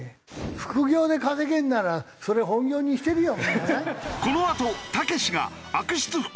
副業で稼げるならそれ本業にしてるよみんなね。